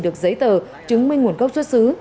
được giấy tờ chứng minh nguồn gốc xuất xứ